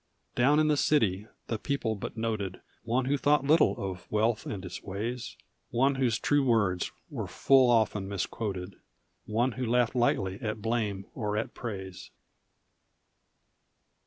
Down in the city the people but noted One who thought little of wealth and its ways; One whose true words were full often misquoted, One who laughed lightly at blame or at praise.